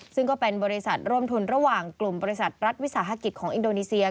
ซึ่งก็เป็นบริษัทร่วมทุนระหว่างกลุ่มบริษัทรัฐวิสาหกิจของอินโดนีเซีย